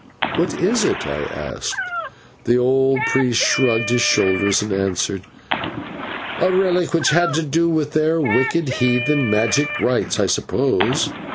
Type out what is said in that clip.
"What is it?" I asked. The old priest shrugged his shoulders, and answered: "A relic which had to do with their wicked heathen magic and rites, I suppose.